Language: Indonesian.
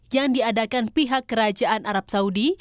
yang diadakan pihak kerajaan arab saudi